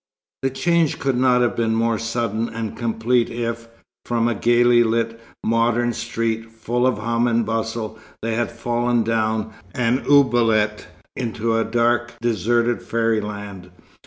The change could not have been more sudden and complete if, from a gaily lighted modern street, full of hum and bustle, they had fallen down an oubliette into a dark, deserted fairyland.